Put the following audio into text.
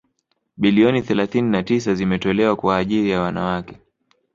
bilioni thelathini na tisa zimetolewa kwa ajiri ya wanawake